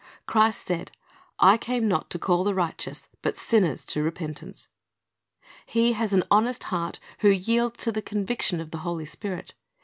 Christ said, "I came not to call the righteous, but sinners to repentance."^ He has an honest heart who yields to the conviction of the Holy Spirit.